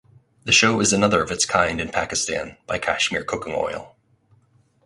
The show is another of its kind in Pakistan by Kashmir Cooking Oil.